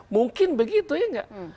mungkin begitu ya enggak